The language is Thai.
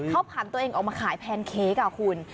เขาผ่านตัวเองออกมาขายแพนเค้กคุณ